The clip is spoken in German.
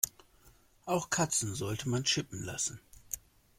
Auch Katzen sollte man chippen lassen.